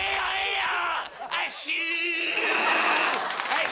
はい。